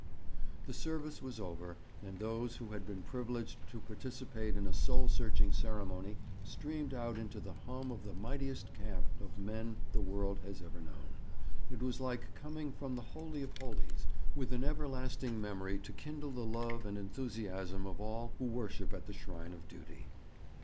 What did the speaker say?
The service was over, and those who had been privileged to participate in a soul searching ceremony streamed out into the hum of the mightiest camp of men the world has ever known. It was like coming from the Holy of Holies, with an everlasting memory to kindle the love and enthusiasm of all who worship at the shrine of duty.